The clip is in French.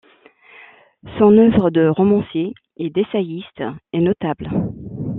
Son œuvre de romancier et d’essayiste est notable.